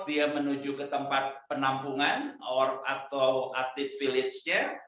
dia menuju ke tempat penampungan atau atlet village nya